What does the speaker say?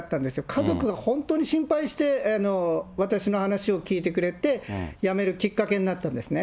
家族が本当に心配して、私の話を聞いてくれて、やめるきっかけになったんですね。